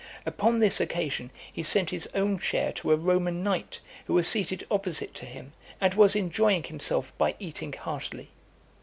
Upon this occasion, he sent his own share to a Roman knight, who was seated opposite to him, and was enjoying himself by eating heartily.